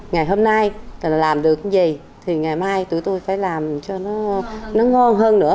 ngày hôm nay mình làm được cái gì thì ngày mai tụi tôi phải làm cho nó ngon hơn nữa